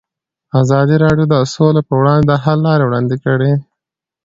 ازادي راډیو د سوله پر وړاندې د حل لارې وړاندې کړي.